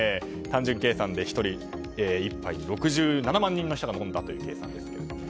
単純計算で１人１杯６７万人の人が飲んだということですね。